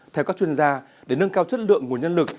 theo các chuyên gia để nâng cao chất lượng nguồn nhân lực